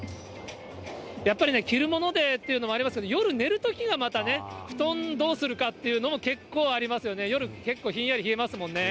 やっぱりね、着るものでっていうのもありますけど、夜寝るときが、またね、布団どうするかっていうのも結構ありますよね、夜、結構、ひんやり冷えますもんね。